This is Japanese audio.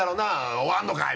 「終わるのかい！」